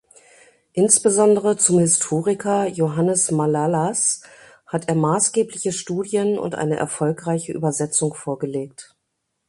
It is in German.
Insbesondere zum Historiker Johannes Malalas hat er maßgebliche Studien und eine erfolgreiche Übersetzung vorgelegt.